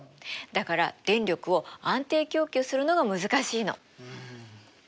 だから電力を安定供給するのが難しいの。